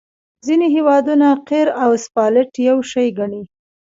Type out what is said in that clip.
ځینې هیوادونه قیر او اسفالټ یو شی ګڼي